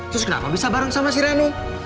terus kenapa bisa bareng sama si renu